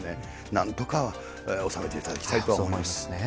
なんとか収めていただきたいと思います。